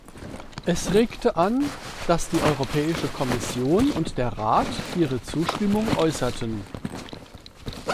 Es regte an, dass die Europäische Kommission und der Rat ihre Zustimmung äußerten.